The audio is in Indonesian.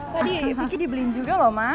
tadi vicky dibeliin juga loh mas